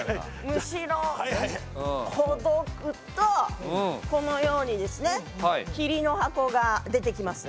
むしろをほどくとこのようにですね桐の箱が出てきます。